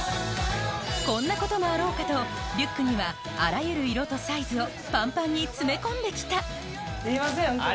こんなこともあろうかとリュックにはをパンパンに詰め込んできたすいませんホントに。